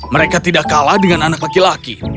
mereka tidak kalah dengan anak laki laki